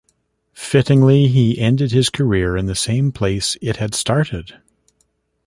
Fittingly, he ended his career in the same place it had started.